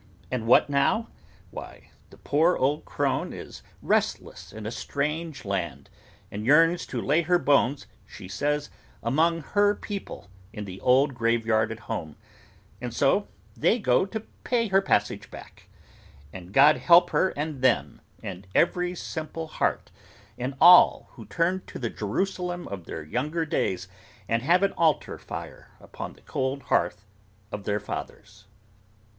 And what now? Why, the poor old crone is restless in a strange land, and yearns to lay her bones, she says, among her people in the old graveyard at home: and so they go to pay her passage back: and God help her and them, and every simple heart, and all who turn to the Jerusalem of their younger days, and have an altar fire upon the cold hearth of their fathers.